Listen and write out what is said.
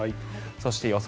そして予想